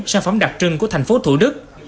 sản phẩm đặc trưng của tp thủ đức